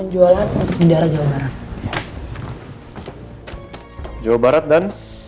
jawa barat dan